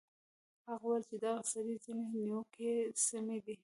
هغه ویل چې د دغه سړي ځینې نیوکې سمې دي.